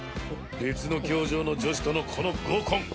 別の教場の女子とのこの合コン！